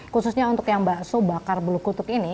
khususnya untuk yang bakso bakar bulu kutuk ini